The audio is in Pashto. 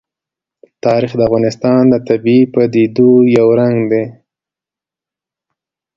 تاریخ د افغانستان د طبیعي پدیدو یو رنګ دی.